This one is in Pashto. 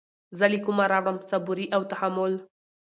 زه له كومه راوړم صبوري او تحمل